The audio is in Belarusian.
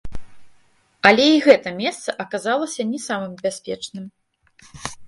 Але і гэта месца аказалася не самым бяспечным.